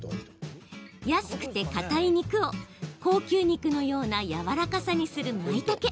安くて、かたい肉を高級肉のようなやわらかさにする、まいたけ。